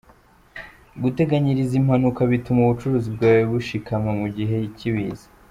Guteganyiriza impanuka bituma ubucuruzi bwawe bushikama mu gihe cy’ibiza.